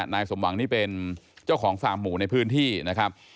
นายสมหวังนี่เป็นเจ้าของฟาร์มหมู่ในพื้นที่นะครับ